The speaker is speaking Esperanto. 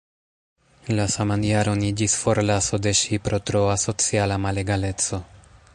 La saman jaron iĝis forlaso de ŝi pro troa sociala malegaleco.